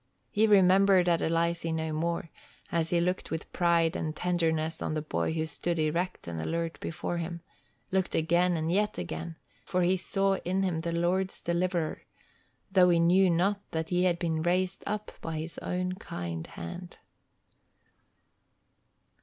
He remembered Adelizy no more, as he looked with pride and tenderness on the boy who stood erect and alert before him, looked again and yet again, for he saw in him the Lord's deliverer, though he knew not that he had been raised up by his own kind hand.